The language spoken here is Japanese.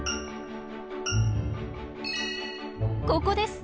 ここです！